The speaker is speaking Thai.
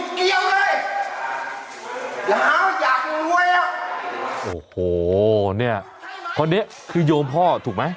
เพราะนี้คือยโยมพ่อถูกไหม